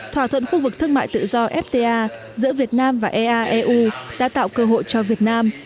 thỏa thuận khu vực thương mại tự do fta giữa việt nam và eaeu đã tạo cơ hội cho việt nam